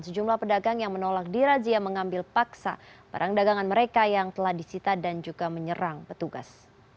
sejumlah pedagang yang menolak dirazia mengambil paksa barang dagangan mereka yang telah disita dan juga menyerang petugas